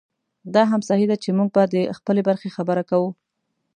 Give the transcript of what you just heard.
دا هم صحي ده چې موږ به د خپلې برخې خبره کوو.